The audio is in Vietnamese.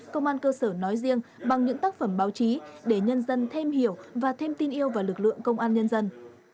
công an cơ sở nói riêng bằng những tác phẩm báo chí để nhân dân thêm hiểu và thêm tin yêu vào lực lượng công an nhân dân